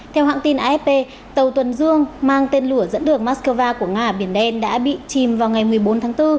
theo hãng tin afp tàu tuần dương mang tên lửa dẫn đường moscow của nga ở biển đen đã bị chìm vào ngày một mươi bốn tháng bốn